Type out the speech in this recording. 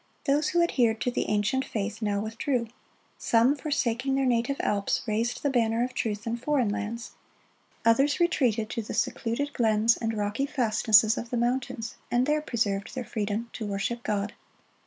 Those who adhered to the ancient faith now withdrew; some, forsaking their native Alps, raised the banner of truth in foreign lands; others retreated to the secluded glens and rocky fastnesses of the mountains, and there preserved their freedom to worship God.